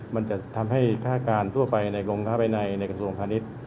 มันจะทำให้ค่าการทั่วไปในกรมค้าภายในในกระทรวงพาณิชย์